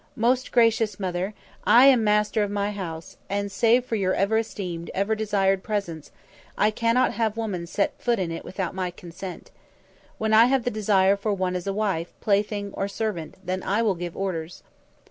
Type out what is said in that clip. "Most gracious Mother, I am master of my house, and, save for your ever esteemed, ever desired presence, I cannot have woman set foot in it without my consent. When I have the desire for one as wife, plaything or servant, then I will give orders."